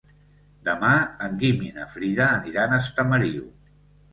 Demà en Guim i na Frida aniran a Estamariu.